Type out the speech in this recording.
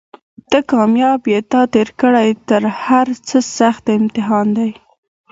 ته کامیاب یې تا تېر کړی تر هرڅه سخت امتحان دی